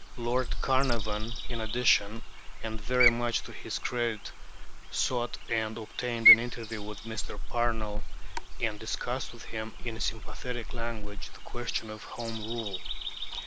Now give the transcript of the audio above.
Lord Carnarvon, in addition, and very much to his credit, sought and obtained an interview with Mr. Parnell, and discussed with him, in sympathetic language, the question of Home Rule.